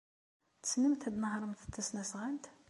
Tessnemt ad tnehṛemt tasnasɣalt?